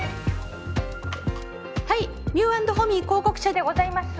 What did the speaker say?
はいミュー＆ホミー広告社でございます。